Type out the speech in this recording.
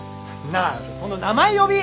なあその名前呼び！